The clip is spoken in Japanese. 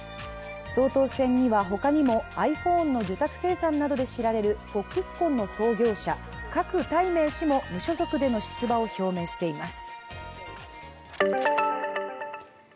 総統選には他にもｉＰｈｏｎｅの受託生産などで知られるフォックスコンの創業者郭台銘氏も無所属での出馬を表明しています。